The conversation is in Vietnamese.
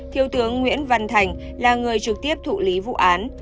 thiếu tướng nguyễn văn thành là người trực tiếp thụ lý vụ án